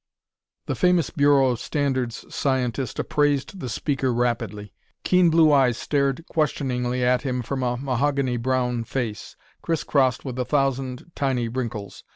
The famous Bureau of Standards scientist appraised the speaker rapidly. Keen blue eyes stared questioningly at him from a mahogany brown face, criss crossed with a thousand tiny wrinkles.